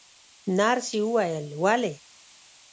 نرسې وویل: ولې؟